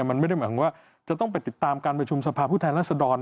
มันไม่ได้หมายถึงว่าจะต้องไปติดตามการประชุมสภาพผู้แทนรัศดร